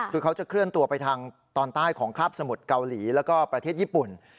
คือเขาจะเคลื่อนตัวไปทางตอนใต้ของคาบสมุทรเกาหลีแล้วก็ประเทศญี่ปุ่น